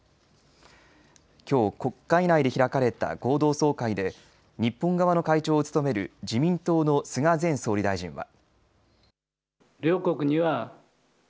きょう国会内で開かれた合同総会で日本側の会長を務める自民党の菅前総理大臣は。